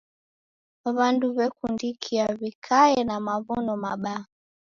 W'andu w'ekundikia w'ikaie na maw'ono mabaa.